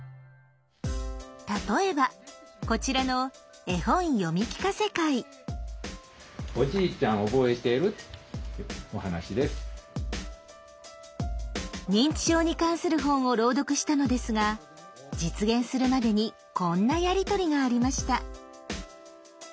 例えばこちらの認知症に関する本を朗読したのですが実現するまでにこんなやり取りがありました。